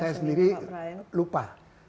saya sendiri lupa